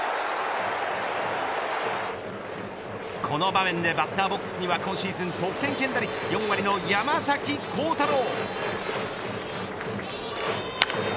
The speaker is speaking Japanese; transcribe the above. この場面でバッターボックスには今シーズン得点圏打率４割の山崎晃大朗。